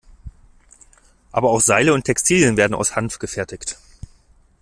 Aber auch Seile und Textilien werden aus Hanf gefertigt.